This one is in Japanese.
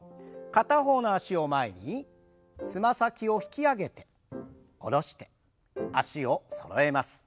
片方の脚を前につま先を引き上げて下ろして脚をそろえます。